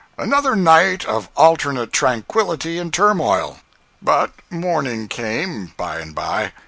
Another night of alternate tranquillity and turmoil. But morning came, by and by.